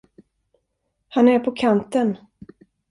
Han är på kanten!